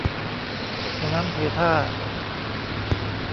เทน้ำเทท่า